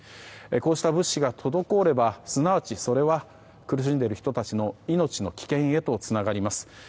こうした物資が滞ればすなわち、それは苦しんでいる人たちの命の危険へとつながります。